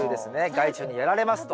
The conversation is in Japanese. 「害虫にやられます」と。